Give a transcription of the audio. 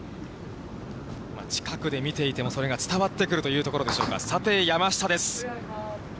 近くで見ていても、それが伝わってくるというところでしょうか、さて、山下です。